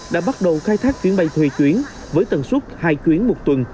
đã bắt đầu khai thác chuyến bay thuê chuyến với tần suất hai chuyến một tuần